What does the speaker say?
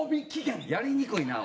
やりにくいなおい。